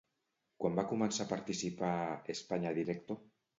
Quan va començar a participar a España Directo?